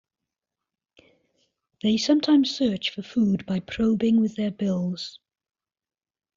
They sometimes search for food by probing with their bills.